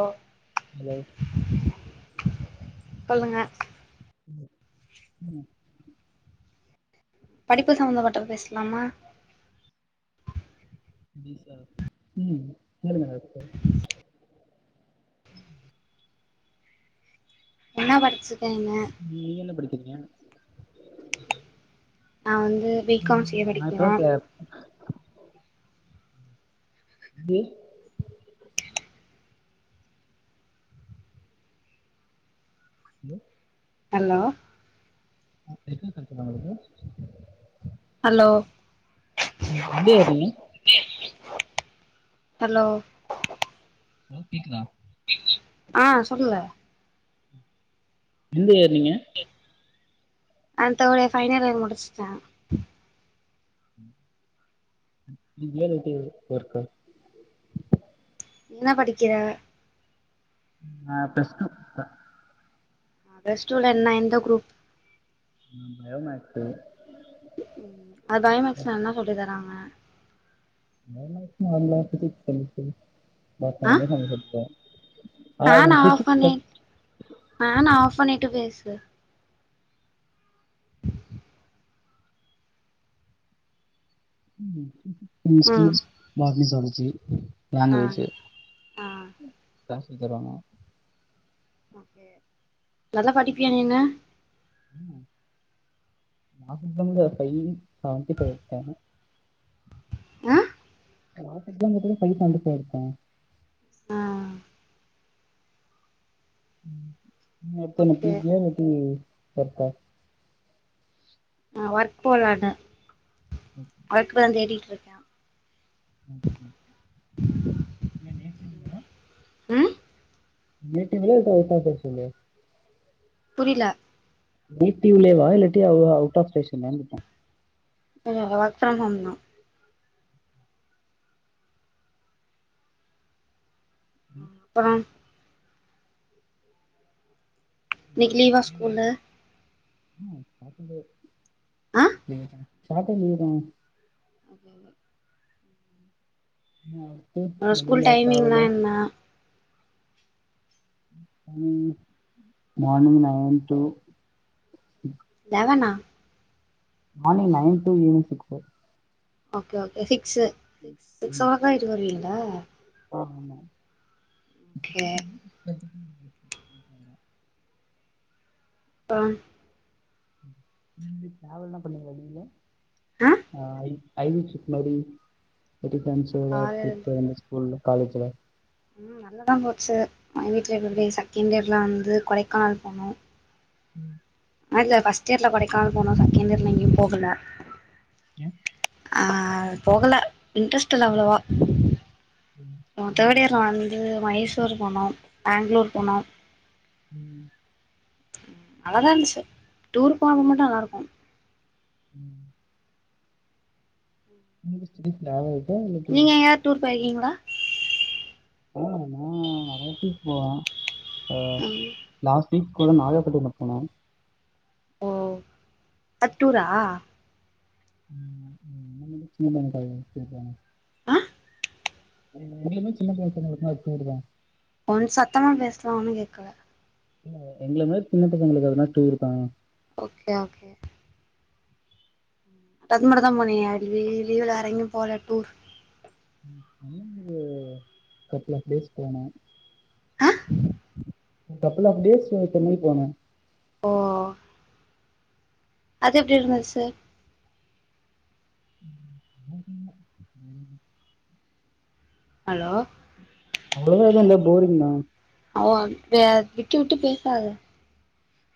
ஆ hello சொல்லுங்க ம் படிப்பு சம்பந்தப்பட்டது பேஸ்லாமா ம் [inaudible] என்ன படிச்சு ம் நீங்க என்ன படிக்கிறீங்க நா வந்து பி காம் சி ம் ஏ நா படிக்கிற இப்பதா ப இ ம் ஹலோ எத்தன [unintelligible] உங்களுக்கு ஹலோ எந்த யேரு நீ ஹலோ ஹலோ கேக்குதா ஆ சொல்லுங்க எந்த இயர் நீங்க [unintelligible] ஃபைனல் இயர் முடிஷ்ட்ட [inaudible] ஒர்க்கா நீ என்ன படிக்கிற நா ப்ளஸ் டூ ப்ப அ ப்ளஸ் டூல என்ன எந்த குரூப் ம் பயோ மேக்ஸு ம் ம் அது பயோமேக்ஸ்னா என்ன சொல்லி தராங்க bio maths [unintelligible] physics chemistry ah [unintelligible] a fan of physics பண்ணி கெம்ஸ் ஃபேன் ஆஃப் பண்ணிட்டு பேசு கெமிஸ்ட்ரி ம் பாட்னி சோலஜி ஜி ஆ லாங்குவேஜூ ஆ இதா சொல்லி தராங்க நல்லா படிப்பியா நீனு [inaudible] ஃபை செவன்ட்டி ஃபைவ் எடுத்த ஆ [unintelligible] பாத்தினா ஃபை செவன்ட்டி ஃபை எடுத்த ஆ ம் ஹு ஓகே [unintelligible] எப்டி எப்ப ஆ ஒர்க் போலானு அதுக்குதா அந்தெடி இருக்யா [inaudible] ம் மீட்டிங் ல கரெக்டா பேச சொல்லு புரில வீட்டிலேவா இல்லாட்டி அவ அவுட் ஆஃப் ஸ்டேஷனான் கேட்ட ஒர்க் ஃப்ரம் ஹோம் தா ம் ஹா இன்னிக் லீவா ஸ்கூலு ஆமா ஆப்சண்டு ஆ லீவுதா சொன்னாத்தா செய்றாங்க அதுனால்தா அம்மா வரு உங்க ஸ்கூல் டைமிங்லா என்ன ம் மார்னிங் நயன் டூ நா வேனா morning nine two evening six okay okay சிக் சேர் இது சொல்றக்கா வீட்டுக் வருவீங்களா ஆ ஆமா ஓகே [unintelligible] [unintelligible] நீங்க டிராவல்லா பண்ணீங்களா லீவ்ல ஆ யி ஐ வி ட்ரிப் மாரி [unintelligible] காலைல நம்ம ஸ்கூல்ல காலேஜ்ல உம் நல்லதா போச்சு [unintelligible] செகண்ட் இயர் நா வந்து கொடைக்கானல் போனோ ம் ஆ இல்ல ஃபஸ்ட் இயர்ல கொடைக்கானால் போனோ செகண்ட் இயர்ல எங்கயு போகல எ ஆஹ் போகல இன்ட்ரெஸ்ட் இல்ல அவ்வளவா ம் அ தேர்ட் புரியலைங்க இயர்ல வந்து மஹேஷ் டூர் போனோ பேங்க்ளூர் போனோ [inaudible] நல்லாதா இருந்துச்சு டூரு போனப்ப மட்டு நல்லா இருக்கு ம் நீங்க ஸ்டடீஸ்ல [unintelligible] நீங்க எங்காயாவது டூர் போயிருகீங்களா ஆஹ் நா நெறைய எடத்துக்கு போவ அஹ் ம் லாஸ் டிப்கு நாகப்பட்டினம் போனே ஓ அட்டூரா [unintelligible] ஆ [unintelligible] சின்ன பசங்களுக்கு அது டூர்தா ஒரு சத்தமா பேசலா ஒண்ணு கேக்கல இல்ல எங்கள மாரி சின்ன பசங்களுக்கு அதுனா டூர் தா ஓகே ஓகே அது மட்டு தா போனியா லிவ் லீவுல வேர எங்கயு போலயா டூர் [unintelligible] கபல் ஆஃப் பிளேஸ் போனோ அஹ் கபல் ஆஃப் டேஸ்ஸு சென்னை போனோ ஓ அது எப்டி இருந்தது சார் ம் [inaudible] ஹலோ அவளோ எதுவு இல்ல போரிங் தா ஆவ வே விட்டு விட்டு பேசாத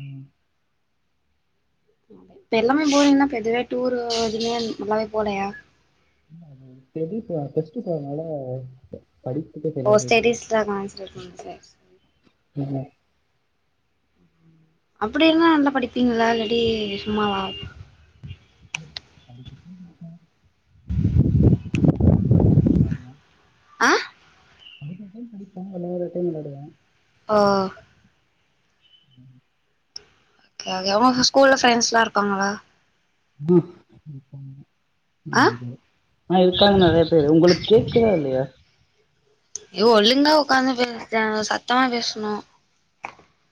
ம் இப்ப எல்லாமே போறீங்க்ன்னா இப்ப எதுவே டூர் [unintelligible] நல்லாவே போலயா இல்ல அது பெரியப்பா டெஸ்டுப்போனனால ப அ ஸ்டேடிஸ்ல தா [unintelligible] இல்ல அப்டினா நல்லா படிப்பீங்கல்லா இல்லாட்டி சும்மாறா [inaudible] [inaudible] வரதா சொன்னாருங்க ஆஹ் படிக்கவச்சால் படிப்போ வெளையாடவிட்டா விளாடுவோ ஓ உம் எதோ ஒங்க ஸ்கூல்ல ஃப்ரெண்டஸ்லா இருக்காங்களா புக் இருக்காங்க ஆ ஆஹ் இருக்காங்க நெறைய பேரு உங்களுக்கு கேக்குதா இல்லயா ஏ ஓழுங்கா உக்காந்து பேசு சத்தமா பேசணு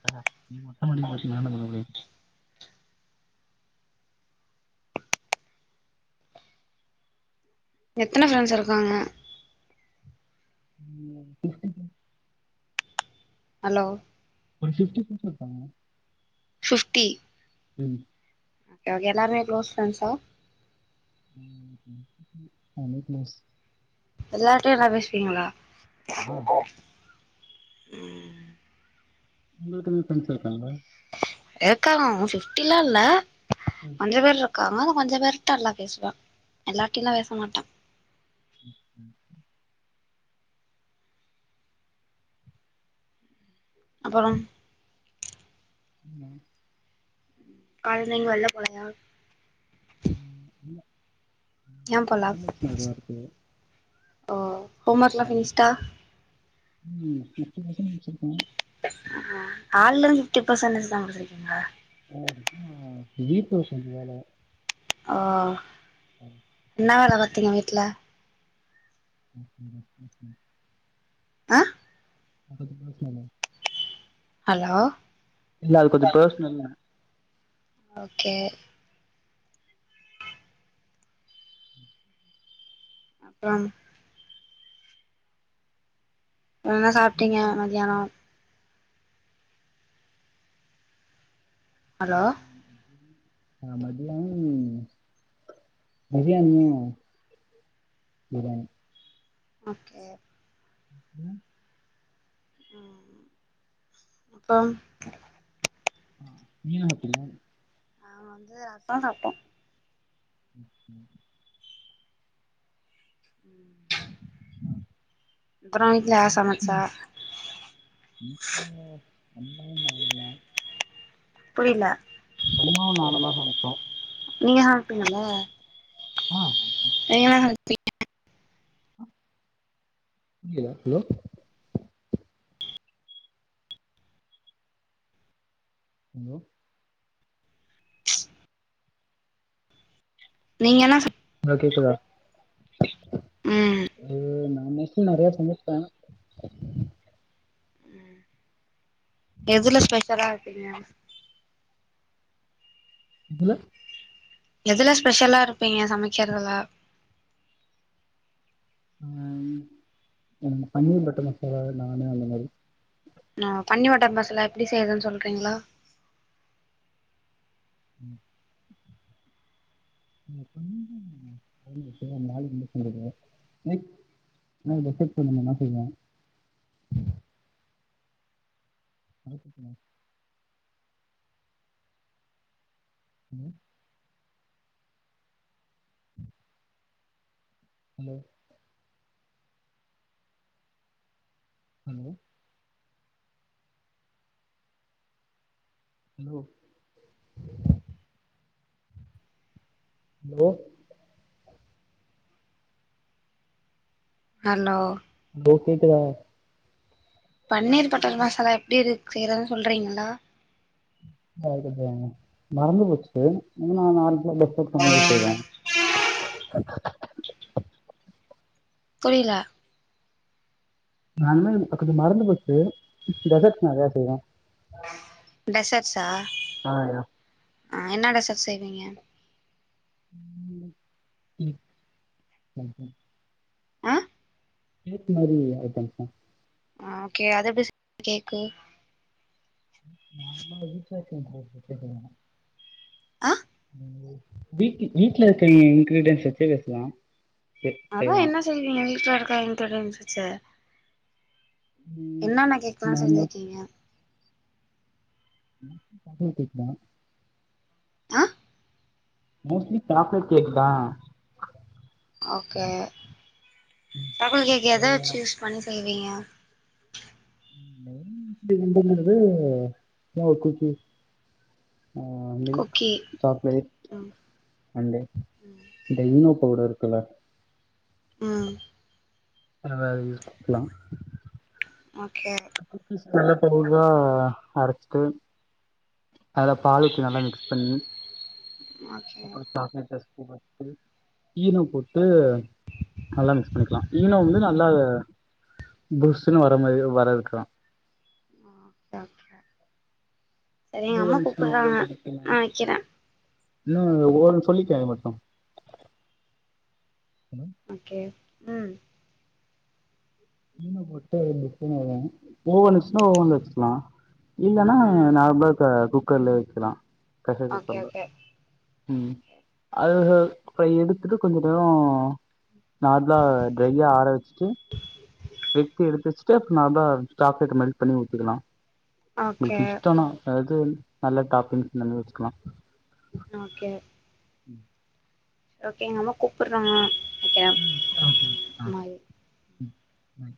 ஆஹ் நீ மொட்ட மாடிலருந்து கத்துனாதா [unintelligible] எத்தன ஃப்ரெண்ட்ஸ் இருக்காங்க உம் ஃபிஃப்டி ஃப்ரெண்ட்ஸ் ஹலோ ஒரு ஃபிஃப்டி ஃப்ரெண்ட்ஸ் இருக்காங்க ஃபிஃப்டி உம் ஓகே எல்லாருமே க்ளோஸ் ஃப்ரெண்ட்ஸா உம் ஃபிரெண்ஷிப்பு ஆனா க்ளோஸ் எல்லார்ட்டயு நல்லா பேசுவீங்ளா ஆ, உம் உங்களுக்கும் ஃப்ரெண்ட்ஸ் இருக்காங்ளா இருக்காங்க ஆனா ஃபிஃப்டிலா இல்ல ம், அஞ்சு பேர் இருக்காங்க கொஞ்ச பேருட்ட நல்லா பேசுவா எல்லார்ட்டலா பேச மாட்டா உம் உம் உம் அப்பறோ உம் ஆல்ரெடி வெள்ல போலயா உம் இல்ல ஏ போல ஓ ஹோம் ஒர்க்லா ஃபினிஷ்டா [unintelligible] உம் ஃபினி த்ரீ லெசன் முடிச்சிருக்கே ஆஹ் கால்லிருந்து கிப்போ சொன்னதுதா வந்துருக்கீங்ளா வேல முடிச்சு வீட்ல கொஞ்ச வேல ஆஹ் இன்னா வேலத் தெரியு வீட்ல [inaudible] ஆஹ் அடுத்த திருப்பு பேசலால ஹலோ இல்ல அது கொஞ்ச பேசுனம்னா ஓகே அப்பறம் என்ன சாப்ட்டீங்க மதியானோ ஹலோ உம் ஆ மதியானோ பிரியாணியும் பிரியாணி ஓகே உம் உம் அப்பறம் ஆ நீயா அப்றோ அவன் வந்து அத்தா [unintelligible] ம் அப்றோ வீட்ல யாரு சமைச்சா அம்மாவு நானுந்தா புரியல பதுமாவு நானுந்தா சமைப்போம் நீங்க சமப்பீங்கள ஆ எங்கவேன [inaudible] ஹுலோ ஹலோ ஹலோ நீ என்ன அ கேக்குதா ம் உம் நா மெசு நெறைய சமைப்பே எதுல ஸ்பெஷலா இருக்கீங்க இதுல எதுலா ஸ்பெஷல்லா இருப்பீங்க சமைக்கிறதுல உம் பன்னீர் பட்டர் மசாலா நானு அந்த மாறி ஆ பன்னி மட்டர் மசாலா எப்டி செய்யுதுன்னு சொல்றீங்களா [unintelligible] செய்வே ஃவர்க்குக்கு உம் hello hello hello hello hello ஏ கேக்குதா பன்னீர் பட்டர் மசாலா எப்டி இரு செய்றதுன்னு சொல்றீங்களா [unintelligible] மறந்து போச்சு இன்னு நா [unintelligible] செய்வே புரில நானு இப்ப கொஞ்சோ மறந்து போச்சு டெசர்ட் நெறையா செய்வே டெசர்ட்ஸா ஆஹ் யா ஆஹ் என்ன டெசட்ஸ் செய்வீங்க [unintelligible] ஆஹ் கேக் மாரி ஐட்டம்ஸ் தா ஆ ஓகே அது எப்டி [inaudible] கேக்கு [unintelligible] [unintelligible] ஆ வீட் வீட்டு்ல இருக்க இன்கிரீடியன்ஸ் வச்சே பேசலா செ அதா செய்யலா என்ன செய்வீங்க வீட்ல இருக்க இன்ங்கிரீடியன்ஸ் வெச்சு ம் என்னென்ன கேக்கலா நார்மலா செஞ்சிருக்கீங்க மொஸ்லி சாக்லேட் கேக்தா ஆ மோஸ்ட்லி சாக்லேட் கேக்தா ஓகே [unintelligible] எத வச்சு ஸ் பண்ணி ங்க [unintelligible] ஆஹ் மில்க் குக்கி சாக்லேட் ம் அண்டு அந்த ஈனோ பவுடர் ல்ல ம் அதது பக்லா ஓகே [unintelligible] அரச்சிட்டு அத பால் ஊத்தி நல்லா மிக்ஸ் பண்ணி ஓகே [unintelligible] ஈனோ போட்டு நல்லா மிக்ஸ் பண்ணிக்கலா ஈனோ வந்து நல்லா புஸ்ஸுன்னு வர மாரி வர இருக்கலா ஆஹ் ஓகே ஓகே சரிங்க ஓவன் அம்மா இருந்துச்சுன்னா கூப்பிட்றாங்க ஓவன்ல நா விட்டுலா வக்கிறே இன்னு ஓவன் சொல்லிக்கே வேவட்டு ஓகே உம் மீன போட்டு [unintelligible] ஓவன் இச்சுன்னா ஓவன்ல வச்சுக்கலா இல்லனா ம் நார்மலா இப்ப குக் க்கர்ல வைக்கலா ஓகே [unintelligible] ஓகே ம் ஓகே அது அப்ற எடுத்துட்டு கொஞ்ச நேரோ நார்ம்லா ட்ரையா ஆர வச்சுட்டு வெக்தி எடுத்து வச்சிட்டு அப் நா தா சாக்லேட்டு மெல்ட் பண்ணி ஊத்திக்குலா ஓகே இதுக்கு இஷ்டோனா அதாது நல்ல டாப்பிங்ஸ் நம்ம வச்சுக்குலா நோக்கே ம் ஓகே எங்க அம்மா கூப்புற்றாங்க உம் செரி ஓகே ஆஹ் ம் பாய்